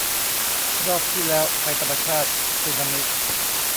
รอบที่แล้ว ภัยธรรมชาติ สึนามิ